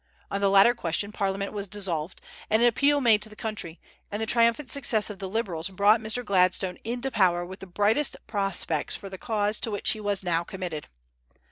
On the latter question Parliament was dissolved, and an appeal made to the country; and the triumphant success of the Liberals brought Mr. Gladstone into power with the brightest prospects for the cause to which he was now committed.